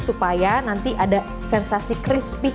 supaya nanti ada sensasi crispy